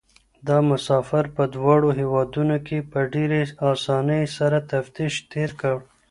دا مسافر په دواړو هېوادونو کې په ډېرې اسانۍ سره تفتيش تېر کړ.